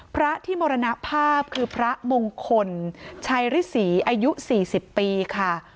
พระที่มรณภาพคือพระมงคลชัยฤษีอายุ๔๐ปีค่ะ